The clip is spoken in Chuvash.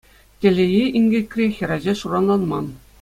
Телее, инкекре хӗрача суранланман.